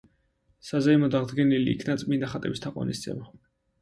საზეიმოდ აღდგენილი იქნა წმინდა ხატების თაყვანისცემა.